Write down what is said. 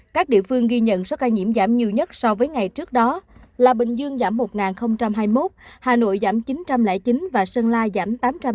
các địa phương ghi nhận số ca nhiễm giảm nhiều nhất so với ngày trước đó là bình dương giảm một nghìn hai mươi một hà nội giảm chín trăm linh chín và sơn la giảm tám trăm linh